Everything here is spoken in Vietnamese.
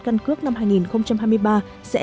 căn cướp năm hai nghìn hai mươi ba sẽ